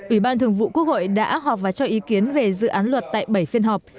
ủy ban thường vụ quốc hội đã họp và cho ý kiến về dự án luật tại bảy phiên họp